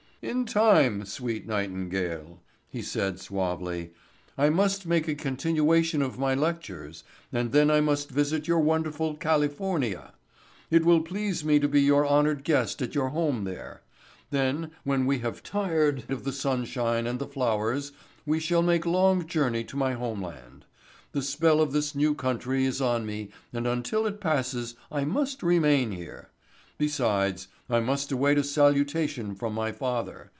"In time, sweet nightingale," he said suavely. "I must make a continuation of my lectures and then I must visit your wonderful California. It will please me to be your honored guest at your home there. Then, when we have tired of the sunshine and the flowers we shall make long journey to my home land. The spell of this new country is on me and until it passes I must remain here. Besides, I must await a salutation from my father.